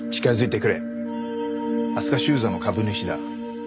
飛鳥酒造の株主だ。